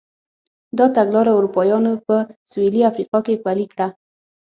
دا تګلاره اروپایانو په سوېلي افریقا کې پلې کړه.